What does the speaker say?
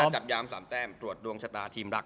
จับยาม๓แต้มตรวจดวงชะตาทีมรัก